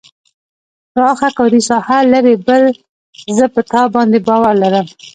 پراخه کاري ساحه لري بل زه په تا باندې باور لرم.